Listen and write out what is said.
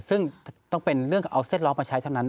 ซึ่งต้องเป็นเรื่องเอาเส้นล้อมาใช้เท่านั้น